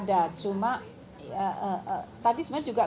dan depengannya itu selalu di daerah daerah itu pak